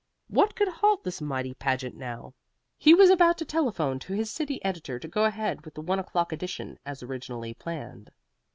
What could halt this mighty pageant now? He was about to telephone to his city editor to go ahead with the one o'clock edition as originally planned....